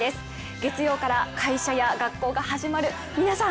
月曜から会社や学校が始まる皆さん！